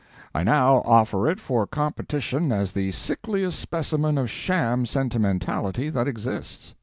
I now offer it for competition as the sickliest specimen of sham sentimentality that exists.